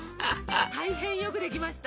「大変よくできました！」。